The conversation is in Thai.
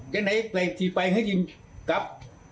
คนแรกครับ